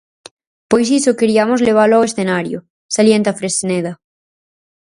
Pois iso queriamos levalo ao escenario, salienta Fresneda.